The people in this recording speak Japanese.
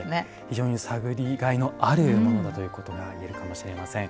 非常に探りがいのあるものだということが言えるかもしれません。